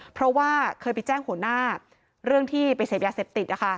เพราะว่าเคยไปแจ้งหัวหน้าเรื่องที่ไปเสพยาเสพติดนะคะ